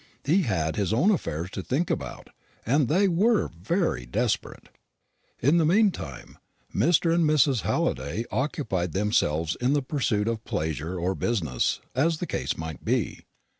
He had his own affairs to think about, and they were very desperate. In the meantime Mr. and Mrs. Halliday occupied themselves in the pursuit of pleasure or business, as the case might be.